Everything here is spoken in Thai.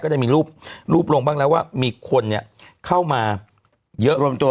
ได้มีรูปลงบ้างแล้วว่ามีคนเนี่ยเข้ามาเยอะรวมตัว